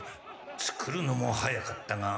つくるのも早かったが。